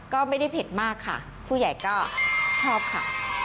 ก็ไม่ได้เผ็ดมากค่ะผู้ใหญ่ก็ชอบค่ะ